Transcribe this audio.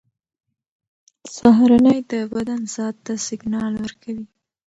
سهارنۍ د بدن ساعت ته سیګنال ورکوي.